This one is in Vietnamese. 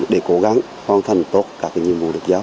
để cố gắng hoàn thành tốt các nhiệm vụ được giao